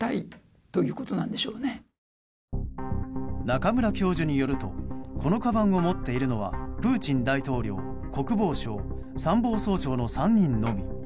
中村教授によるとこのかばんを持っているのはプーチン大統領、国防相参謀総長の３人のみ。